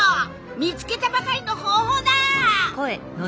見つけたばかりの方法だ！